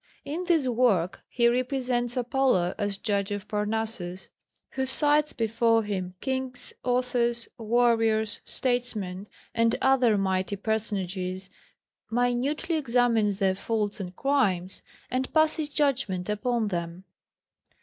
In this work he represents Apollo as judge of Parnassus, who cites before him kings, authors, warriors, statesmen, and other mighty personages, minutely examines their faults and crimes, and passes judgment upon them.